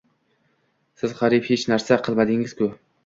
Siz qariyb hech narsa qilmadingizku?